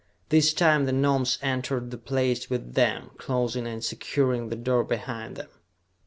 This time the Gnomes entered the place with them, closing and securing the door behind them.